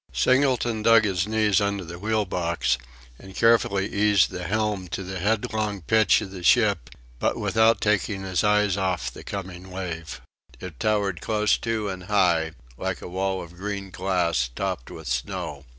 Singleton dug his knees under the wheel box, and carefully eased the helm to the headlong pitch of the ship, but without taking his eyes off the coming wave. It towered close to and high, like a wall of green glass topped with snow.